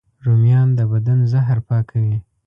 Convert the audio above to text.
رومیان د بدن زهر پاکوي